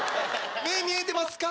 目見えてますか？